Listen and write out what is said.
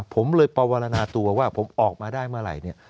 ผมเลยปวรรณาตัวว่าผมออกมาได้เมื่อไหร่เนี่ย